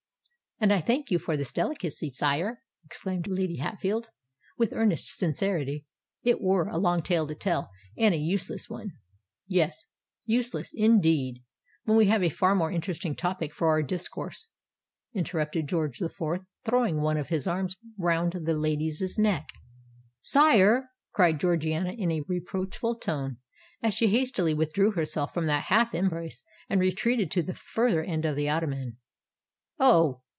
"And I thank you for this delicacy, sire," exclaimed Lady Hatfield, with earnest sincerity. "It were a long tale to tell—and an useless one——" "Yes—useless, indeed, when we have a far more interesting topic for our discourse," interrupted George the Fourth, throwing one of his arms round the lady's neck. "Sire!" cried Georgiana in a reproachful tone, as she hastily withdrew herself from that half embrace, and retreated to the further end of the ottoman. "Oh!